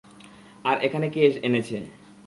আর, এখানে কে এনেছে?